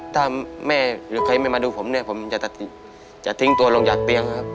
ถ้าแม่หรือใครไม่มาดูผมเนี่ยผมจะทิ้งตัวลงจากเตียงครับ